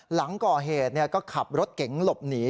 หลังก่อเหตุก็ขับรถเก๋งหลบหนี